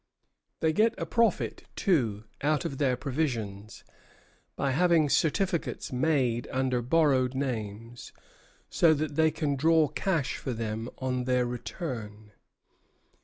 They get a profit, too, out of their provisions, by having certificates made under borrowed names, so that they can draw cash for them on their return.